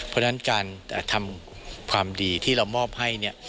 เพราะฉะนั้นการทำความดีที่เรามอบให้เนี่ย